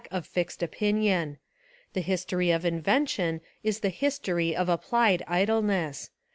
of fixed opinion : the history of invention is the history of applied idleness.